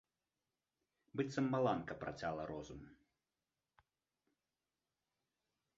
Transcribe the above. Быццам маланка працяла розум.